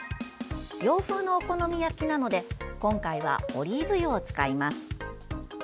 洋風のお好み焼きなので今回は、オリーブ油を使います。